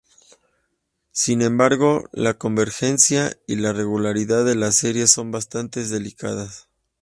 Sin embargo, la convergencia y la regularidad de la serie son bastante delicadas.